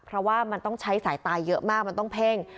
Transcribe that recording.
เพราะว่ามันต้องใช้สายตาเยอะมากมันต้องเพ่ง